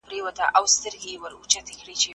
زه يم له تا نه مروره